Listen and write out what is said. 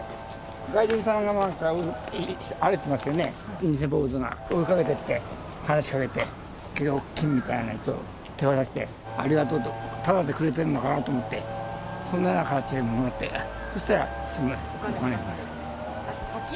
外人さんが歩いてますよね、偽坊主が追いかけてって、話しかけて、金みたいなやつを手渡して、ありがとうって、ただでくれてるのかなと思ったら、そんなような形でもらって、そしたらお金を。